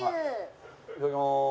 いただきます。